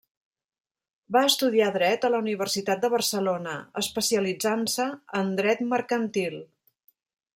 Va estudiar dret a la Universitat de Barcelona, especialitzant-se en dret mercantil.